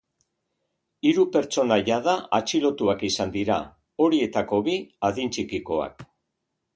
Hiru pertsona jada atxilotuak izan dira, horietako bi adin txikikoak.